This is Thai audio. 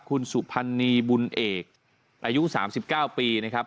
คุณสุพันนีย์บุญเอกอายุสามสิบเก้าปีนะครับ